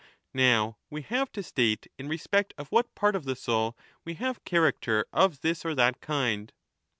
* Now we have to state in respect of what part of the soul we have character of this or that kind.